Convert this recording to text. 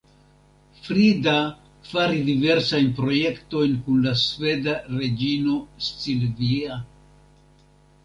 Frida faris diversajn projektojn kun la sveda reĝino Silvia.